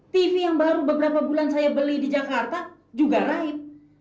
tv yang baru beberapa bulan saya beli di jakarta juga raib